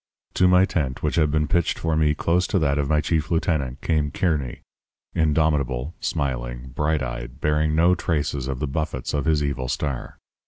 "To my tent, which had been pitched for me close to that of my chief lieutenant, came Kearny, indomitable, smiling, bright eyed, bearing no traces of the buffets of his evil star.